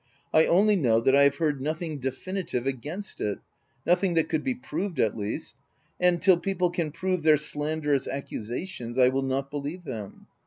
I only know that I have heard nothing definitive against it — nothing that could be proved, at least ; and till people can prove their slanderous accusations, I will not believe them.